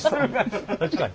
確かに。